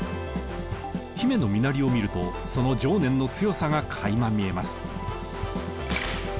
姫の身なりを見るとその情念の強さがかいま見えます。